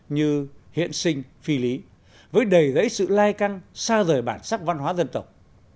như hiện sinh phi lý với đầy dãy sự lai căng xa rời bản sắc văn hóa dân tộc